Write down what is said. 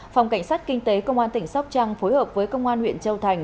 phòng cảnh sát kinh tế công an tỉnh sóc trăng phối hợp với công an huyện châu thành